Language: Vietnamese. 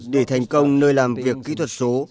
để thành công nơi làm việc kỹ thuật số